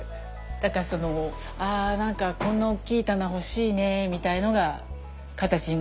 だからそのあなんかこんな大きい棚欲しいねみたいのが形になって。